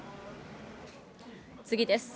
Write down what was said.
次です。